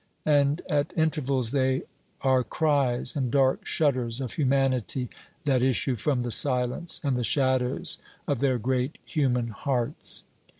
And at intervals they are cries and dark shudders of humanity that issue from the silence and the shadows of their great human hearts.